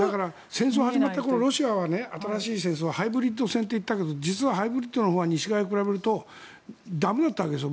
戦争が始まってからロシアというのは新しい戦争ハイブリッド戦と言ったけど実はハイブリッドのほうは西側に比べると駄目だったわけです